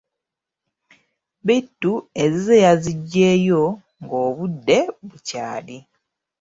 Bittu ezize yaziggyeyo ng'obudde bukyali.